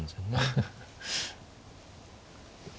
ハハハ。